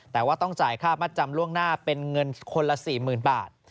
แต่ว่าต้องจ่ายค่ามัดจำล่วงหน้าเป็นเงินคนละ๔๐๐๐บาท